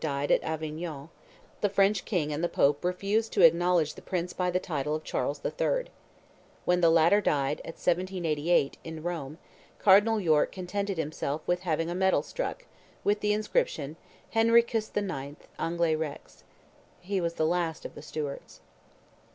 died at Avignon, the French king and the Pope refused to acknowledge the prince by the title of Charles III. When the latter died, in 1788, at Rome, Cardinal York contented himself with having a medal struck, with the inscription "Henricus IX., Anglae Rex." He was the last of the Stuarts.